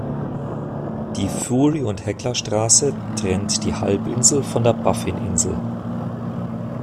Die Fury-und-Hecla-Straße trennt die Halbinsel von der Baffininsel.